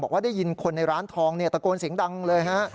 บอกว่าได้ยินคนในร้านทองเนี่ยตะโกนเสียงดังเลยฮะ